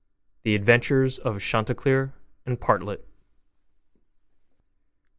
THE ADVENTURES OF CHANTICLEER AND PARTLET 1.